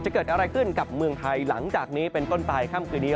เกิดอะไรขึ้นกับเมืองไทยหลังจากนี้เป็นต้นปลายค่ำคืนนี้